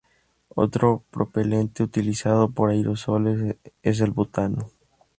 Otro propelente utilizado por aerosoles es el butano.